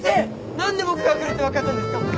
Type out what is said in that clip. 何で僕が来るって分かったんですか？